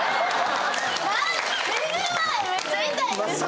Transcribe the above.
めっちゃ痛いんですよ。